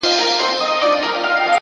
د حوصلې ځواک اوږده لارې لنډوي.!